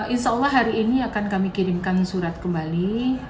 insya allah hari ini akan kami kirimkan surat kembali